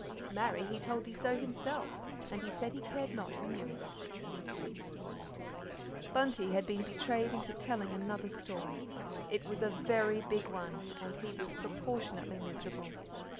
'Marry, he told the so himself, and he said he cared not who knew it'" Bunty had been betrayed into telling another story. It was a very, big one, and he was proportionately miserable.